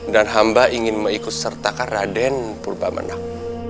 dan hamba ingin mengikuti sertakan raden purba menak